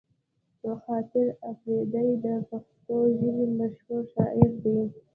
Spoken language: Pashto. خاطر اپريدی د پښتو ژبې مشهوره شاعر دی